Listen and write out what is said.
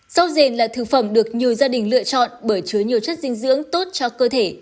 rau dền là thực phẩm được nhiều gia đình lựa chọn bởi chứa nhiều chất dinh dưỡng tốt cho cơ thể